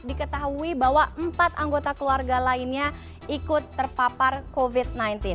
diketahui bahwa empat anggota keluarga lainnya ikut terpapar covid sembilan belas